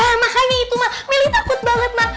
eh makanya itu mah meli takut banget mah